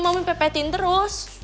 mami pepetin terus